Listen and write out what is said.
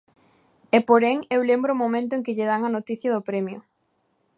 E porén eu lembro o momento en que lle dan a noticia do premio.